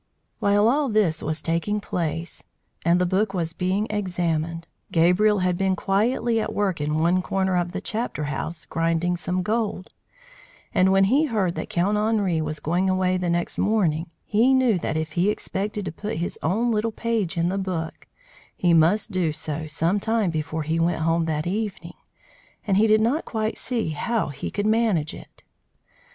While all this was taking place, and the book was being examined, Gabriel had been quietly at work in one corner of the chapter house, grinding some gold; and when he heard that Count Henri was going away the next morning, he knew that if he expected to put his own little page in the book, he must do so some time before he went home that evening; and he did not quite see how he could manage it.